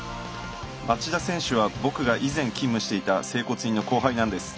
町田選手は僕が以前勤務していた整骨院の後輩なんです。